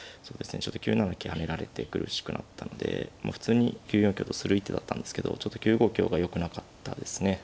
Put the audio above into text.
ちょっと９七桂跳ねられて苦しくなったので普通に９四香とする一手だったんですけどちょっと９五香がよくなかったですね。